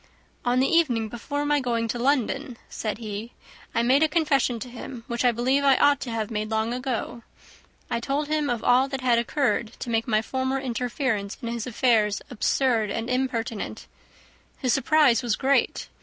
"On the evening before my going to London," said he, "I made a confession to him, which I believe I ought to have made long ago. I told him of all that had occurred to make my former interference in his affairs absurd and impertinent. His surprise was great.